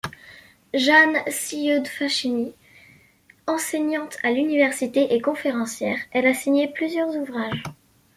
Jeanne Siaud-Facchin enseignante à l’université et conférencière, elle a signé plusieurs ouvrages.